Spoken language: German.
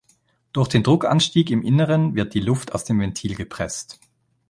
Durch den Druckanstieg im Inneren wird die Luft aus dem Ventil gepresst.